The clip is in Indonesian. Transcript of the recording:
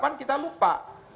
harapan kita lupa